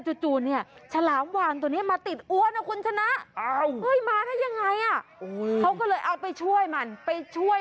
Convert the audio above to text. แต่จู่เนี่ยฉลามวานตัวนี้มาติดอ้วนนะคุณชนะ